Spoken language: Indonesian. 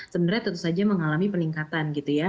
sebenarnya tentu saja mengalami peningkatan gitu ya